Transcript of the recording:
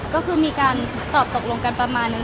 ก็คือมีการตอบตกลงกันประมาณนึง